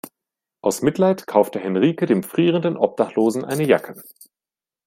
Aus Mitleid kaufte Henrike dem frierendem Obdachlosen eine Jacke.